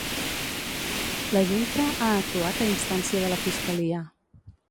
La Junta ha actuat a instància de la fiscalia